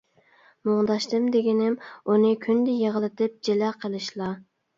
مۇڭداشتىم دېگىنىم ئۇنى كۈندە يىغلىتىپ، جىلە قىلىشلا.